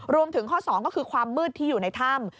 รวมถึงข้อ๒ก็คือความมืดที่อยู่ในถ้ำ